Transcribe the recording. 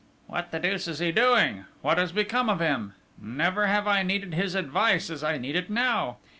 "What the deuce is he doing? What has become of him? Never have I needed his advice as I need it now!...